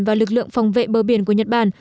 và lực lượng phòng vệ bờ biển của nhật bản